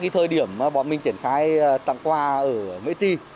thời điểm bọn mình triển khai tặng quà ở mỹ ti